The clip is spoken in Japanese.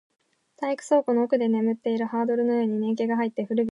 体育倉庫の奥で眠っているハードルのように年季が入って、古びていた